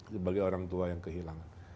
sebagai orang tua yang kehilangan